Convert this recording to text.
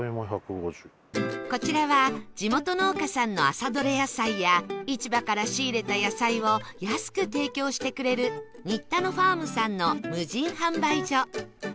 こちらは地元農家さんの朝採れ野菜や市場から仕入れた野菜を安く提供してくれる新田野ファームさんの無人販売所